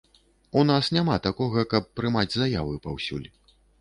У нас няма такога, каб прымаць заявы паўсюль.